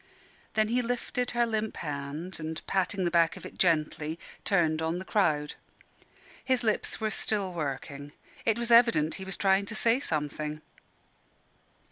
Then he lifted her limp hand, and patting the back of it gently, turned on the crowd. His lips were still working. It was evident he was trying to say something.